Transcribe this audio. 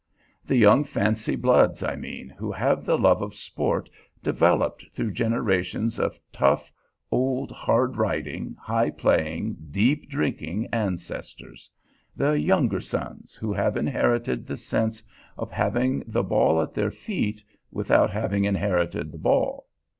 The young fancy bloods, I mean, who have the love of sport developed through generations of tough old hard riding, high playing, deep drinking ancestors; the "younger sons," who have inherited the sense of having the ball at their feet, without having inherited the ball.